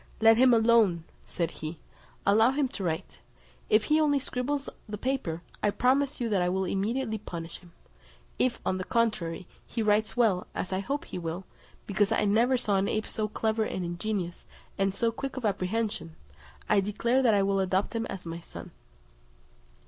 "Let him alone," said he, "allow him to write. If he only scribbles the paper, I promise you that I will immediately punish him. If, on the contrary, he writes well, as I hope he will, because I never saw an ape so clever and ingenious, and so quick of apprehension, I declare that I will adopt him as my son."